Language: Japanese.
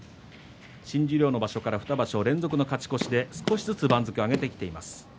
新十両の場所から２場所連続の勝ち越しで少しずつ番付を上げています。